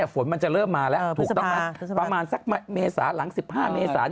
ฝนมันจะเริ่มมาแล้วประมาณสักเมษาหลัง๑๕เมษา